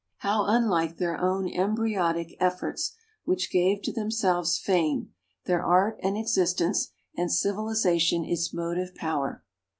How unlike their own embryotic efforts "which gave to themselves fame, their art an existence, and civilization its motive power!"